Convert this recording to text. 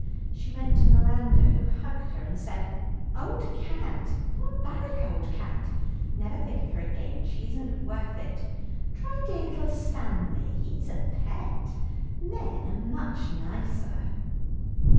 She went to Miranda, who hugged her, and said: "Old cat! barbaric old cat! Never think of her again, she isn't worth it. Try dear little Stanley, he's a pet; men are much nicer."